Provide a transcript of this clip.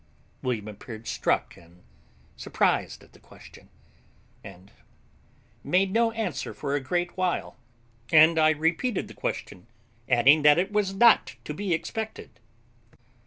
William appeared struck and surprised at the question, and made no answer for a great while; and I repeated the question, adding that it was not to be expected.